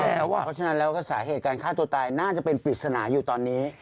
เพราะฉะนั้นแล้วก็สาเหตุการฆ่าตัวตายน่าจะเป็นปริศนาอยู่ตอนนี้